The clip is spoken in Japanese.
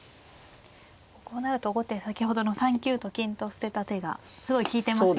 こうなると後手先ほどの３九と金と捨てた手がすごい利いてますよね。